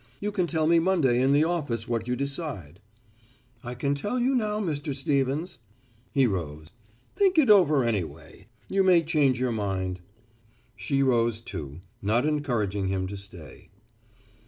You can tell me Monday in the office what you decide." "I can tell you now, Mr. Stevens." He rose. "Think it over anyway. You may change your mind." She rose, too, not encouraging him to stay.